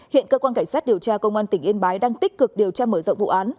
hiện cơ quan cảnh sát điều tra công an tỉnh yên bái đang tích cực điều tra mở rộng vụ án